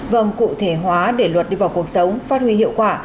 vâng cụ thể hóa để luật đi vào cuộc sống phát huy hiệu quả